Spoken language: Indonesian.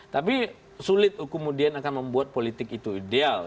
tapi sulit kemudian akan membuat politik itu ideal